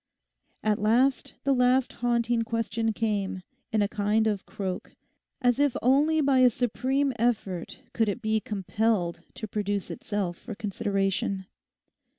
At last the last haunting question came in a kind of croak, as if only by a supreme effort could it be compelled to produce itself for consideration.